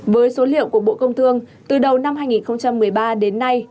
với số liệu của bộ công thương từ đầu năm hai nghìn một mươi ba đến nay